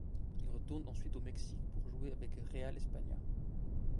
Il retourne ensuite au Mexique pour jouer avec Real España.